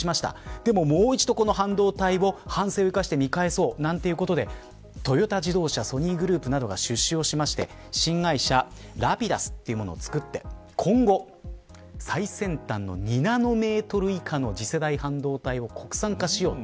でも、もう一度半導体で見返そうということでトヨタ自動車、ソニーグループなどが出資をして新会社Ｒａｐｉｄｕｓというものを作って今後、最先端の２ナノメートル以下の次世代半導体を国産化しよう。